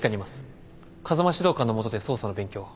風間指導官の下で捜査の勉強を。